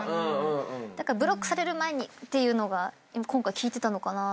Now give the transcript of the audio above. だからブロックされる前にっていうのが今回効いてたのかなと思って。